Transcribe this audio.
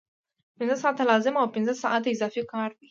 پنځه ساعته لازم او پنځه ساعته اضافي کار دی